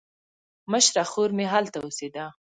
مشره خور مې هلته اوسېده.